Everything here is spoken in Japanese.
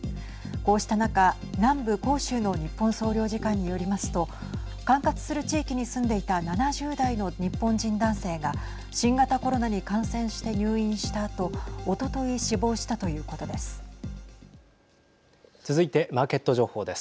こうした中、南部広州の日本総領事館によりますと管轄する地域に住んでいた７０代の日本人男性が新型コロナに感染して入院したあとおととい死亡したということです。